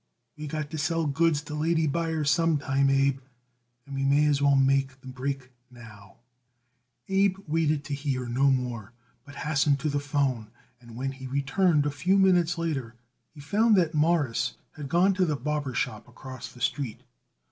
We got to sell goods to lady buyers some time, Abe, and we may as well make the break now." Abe waited to hear no more, but hastened to the 'phone, and when he returned a few minutes later he found that Morris had gone to the barber shop across the street.